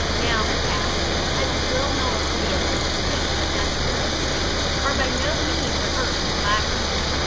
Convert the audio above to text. Now cats, as is well known to the attentive student of natural history, are by no means averse to flattery.